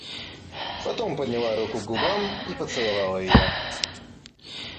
Потом подняла руку к губам и поцеловала ее.